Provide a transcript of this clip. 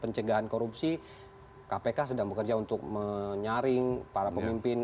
pencegahan korupsi kpk sedang bekerja untuk menyaring para pemimpin